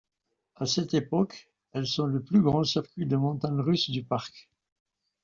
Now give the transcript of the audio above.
À cette époque, elles sont le plus grand circuit de montagnes russes du parc.